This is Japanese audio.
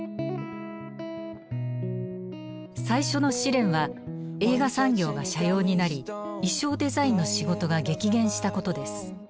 最初の試練は映画産業が斜陽になり衣装デザインの仕事が激減したことです。